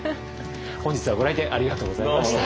本日はご来店ありがとうございました。